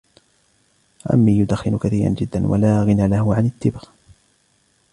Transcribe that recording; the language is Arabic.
عمي يدخن كثيرًا جدا ، ولا غنى له عن التبغ.